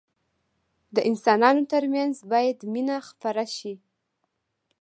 د انسانانو ترمنځ باید مينه خپره سي.